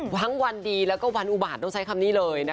วันดีแล้วก็วันอุบาตต้องใช้คำนี้เลยนะคะ